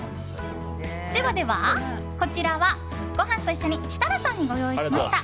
こちらは、ご飯と一緒に設楽さんにご用意しました。